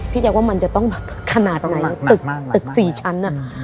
พี่เจ๊ว่ามันจะต้องแบบขนาดไหน